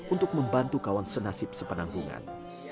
untuk membantu kawan senasib sepenanggungan